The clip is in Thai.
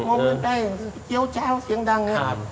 มองเงินได้ย้าวแจ้วเสียงดัง